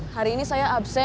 hari ini saya absen